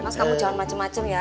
mas kamu jangan macem macem ya